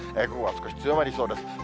午後は少し強まりそうです。